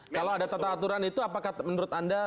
kalau ada tata aturan itu apakah menurut anda